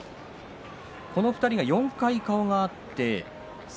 この２人、４回顔が合っています。